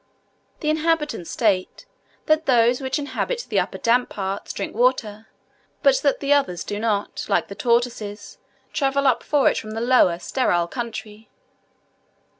The inhabitants state that those which inhabit the upper damp parts drink water, but that the others do not, like the tortoises, travel up for it from the lower sterile country.